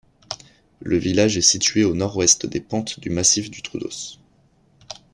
Le village est situé au nord-ouest des pentes du Massif du Troodos.